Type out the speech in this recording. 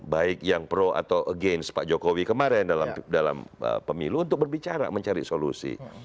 baik yang pro atau against pak jokowi kemarin dalam pemilu untuk berbicara mencari solusi